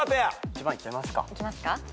１番いきますか。